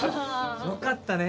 よかったね。